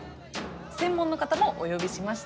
専門の方もお呼びしました。